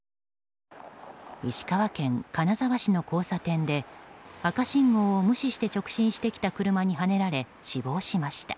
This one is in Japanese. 石川県金沢市の交差点で赤信号を無視して直進してきた車にはねられ死亡しました。